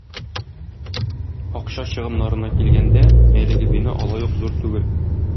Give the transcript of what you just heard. Акча чыгымнарына килгәндә, әлеге бина алай ук зур түгел.